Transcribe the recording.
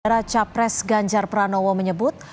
raja pres ganjar pranowo menyebut